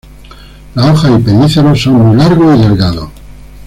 Las hojas y pedicelos son muy largos y delgados.